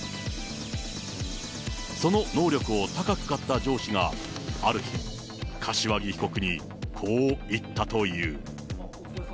その能力を高く買った上司が、ある日、柏木被告にこう言ったという。